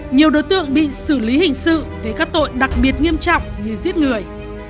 nhiều đối tượng bị xử lý hình sự về các tội đặc biệt nghiêm trọng như giết người